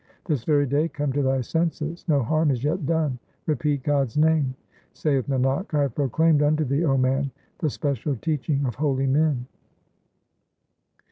This very day come to thy senses ; no harm is yet done ; repeat God's name. Saith Nanak, I have proclaimed unto thee, 0 man, the special teaching of holy men.